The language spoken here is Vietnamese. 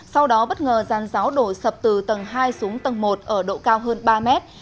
sau đó bất ngờ giàn giáo đổ sập từ tầng hai xuống tầng một ở độ cao hơn ba mét